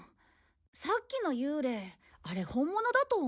さっきの幽霊あれ本物だと思う？